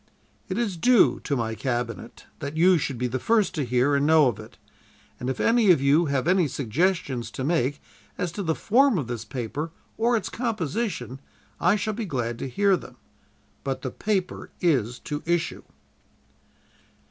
"'It is due to my Cabinet that you should be the first to hear and know of it, and if any of you have any suggestions to make as to the form of this paper or its composition, I shall be glad to hear them. But the paper is to issue.'